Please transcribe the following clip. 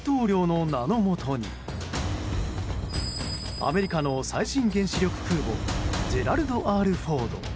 アメリカの最新原子力空母「ジェラルド・Ｒ・フォード」。